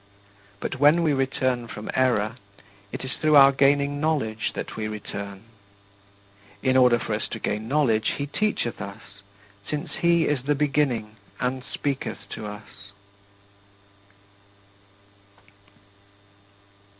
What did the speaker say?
But when we return from error, it is through our gaining knowledge that we return. In order for us to gain knowledge he teacheth us, since he is the Beginning, and speaketh to us.